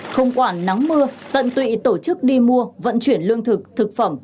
không quản nắng mưa tận tụy tổ chức đi mua vận chuyển lương thực thực phẩm